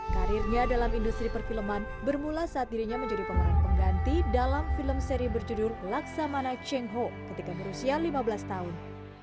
karirnya dalam industri perfilman bermula saat dirinya menjadi pemeran pengganti dalam film seri berjudul laksamana cheng ho ketika berusia lima belas tahun